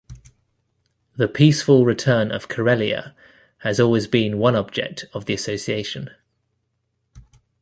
The peaceful return of Karelia has always been one object of the association.